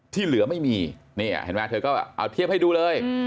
ที่เหลือไม่มีเธอก็เอาเทียบให้ดูเลย